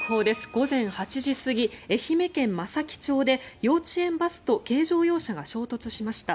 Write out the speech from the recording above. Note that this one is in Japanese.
午前８時過ぎ、愛媛県松前町で幼稚園バスと軽乗用車が衝突しました。